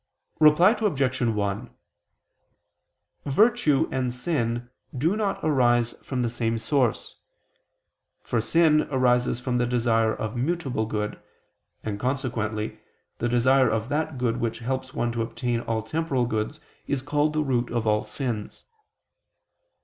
Reply Obj. 1: Virtue and sin do not arise from the same source. For sin arises from the desire of mutable good; and consequently the desire of that good which helps one to obtain all temporal goods, is called the root of all sins.